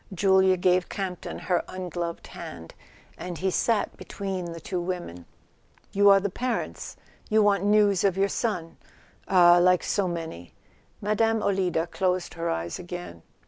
Julia gave Campton her ungloved hand, and he sat between the two women. "You are the parents? You want news of your son —ah, like so many !" Mme. Olida closed her eyes again.